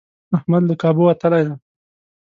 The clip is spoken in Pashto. احمد له کابو وتلی دی.